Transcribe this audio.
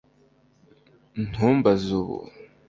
ntumbaze ubu